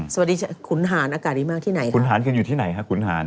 สวัสดีคุณหานอากาศดีมากที่ไหนค่ะคุณหานคืออยู่ที่ไหนค่ะคุณหาน